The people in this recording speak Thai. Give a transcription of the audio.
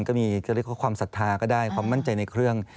ก็มีความศรัทธาก็ได้ความมั่นใจในเครื่อง